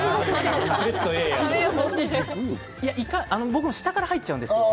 僕は下から入っちゃうんですよ。